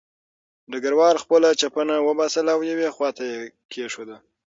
ډګروال خپله چپنه وباسله او یوې خوا ته یې کېښوده